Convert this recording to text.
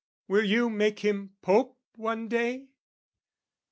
Will you make him Pope one day?